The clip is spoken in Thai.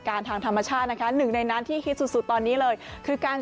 ทางธรรมชาตินะคะหนึ่งในนั้นที่ฮิตสุดสุดตอนนี้เลยคือการ